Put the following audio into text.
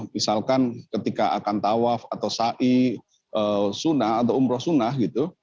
misalkan ketika akan tawaf atau sa'i sunnah atau umroh sunnah